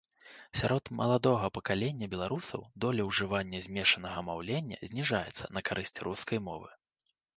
Сярод маладога пакалення беларусаў доля ўжывання змешанага маўлення зніжаецца на карысць рускай мовы.